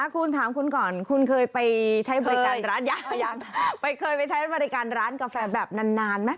คุณถามคุณก่อนคุณเคยไปใช้บริการร้านกาแฟแบบนานไหม